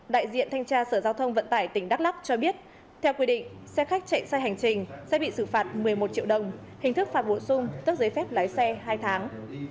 đại diện thanh tra sở giao thông vận tải tỉnh đắk lắc cho biết theo quy định xe khách chạy xe hành trình sẽ bị xử phạt một mươi một triệu đồng hình thức phạt bổ sung tước giấy phép lái xe hai tháng